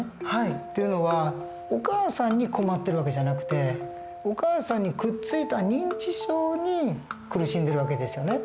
っていうのはお母さんに困ってる訳じゃなくてお母さんにくっついた認知症に苦しんでる訳ですよね。